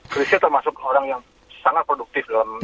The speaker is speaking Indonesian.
kerisnya termasuk orang yang sangat produktif dalam menyanyi